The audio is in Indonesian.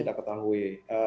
tidak kami ketahui